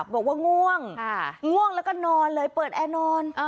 บอกว่าง่วงง่วงแล้วก็นอนเลยเปิดแอร์นอน